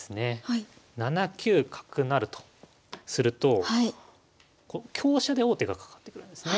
７九角成とすると香車で王手がかかってくるんですね。